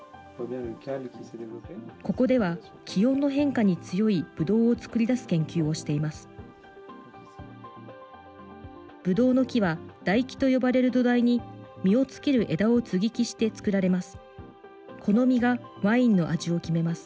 ここでは気温の変化に強いぶどうを作り出す研究をしています。